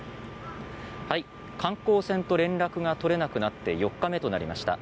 観光船と連絡が取れなくなって４日目となりました。